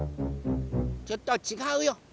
ちょっとちがうよ。